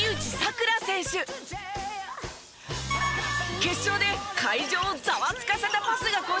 決勝で会場をざわつかせたパスがこちら！